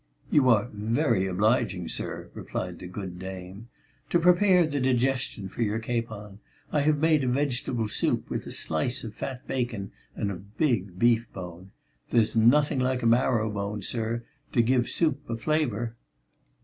"You are very obliging, sir," replied the good dame. "To prepare the digestion for your capon, I have made a vegetable soup with a slice of fat bacon and a big beef bone. There's nothing like a marrowbone, sir, to give soup a flavour."